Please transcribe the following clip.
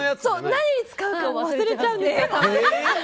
何に使うか忘れちゃうんです！